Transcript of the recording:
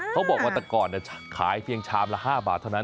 เขาบอกว่าแต่ก่อนขายเพียงชามละ๕บาทเท่านั้น